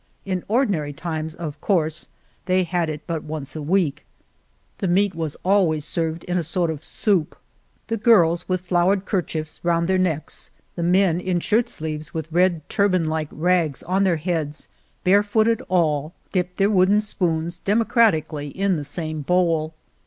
In ordinary times, of course, they had it but once * a week. The meat was always served in a sort of soup. The girls, with flowered kerchiefs around u 40 Argamasilla their necks, the men in shirt sleeves with red turban like rags on their heads, barefooted all, dipped their wooden spoons democratical ly in the same bowl.